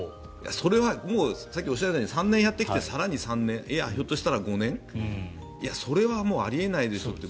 それはさっきおっしゃったように３年やってきて更に３年、５年それはあり得ないでしょと。